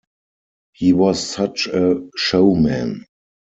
He was such a showman.